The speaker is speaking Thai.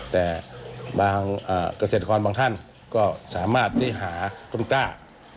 แต่บางเกษตรกรบางท่านก็สามารถได้หาต้นกล้า